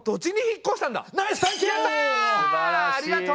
ありがとう。